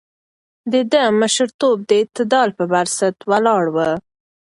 د ده مشرتوب د اعتدال پر بنسټ ولاړ و.